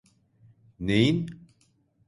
Neyin?